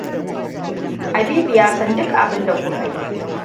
Habibu ya san duk abinda kuka yi.